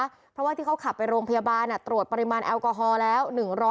เพราะว่าที่เขาขับไปโรงพยาบาลตรวจปริมาณแอลกอฮอล์แล้ว